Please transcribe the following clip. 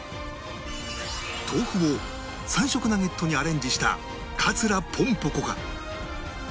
豆腐を３色ナゲットにアレンジした桂ぽんぽ娘か？